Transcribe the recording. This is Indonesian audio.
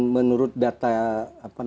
yang sudah ada sejauh ini